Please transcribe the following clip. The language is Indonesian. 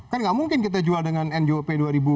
kan nggak mungkin kita jual dengan njop dua ribu empat belas